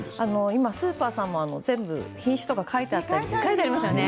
今、スーパーさんも全部、品種が書いてありますよね。